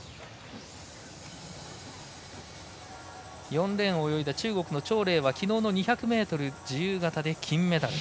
４レーンを泳いだ中国の張麗は昨日の２００ｍ自由形で金メダル。